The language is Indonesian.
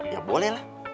ya boleh lah